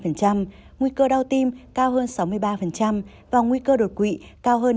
nguy cơ đau tim cao hơn sáu mươi ba và nguy cơ đột quỵ cao hơn năm mươi hai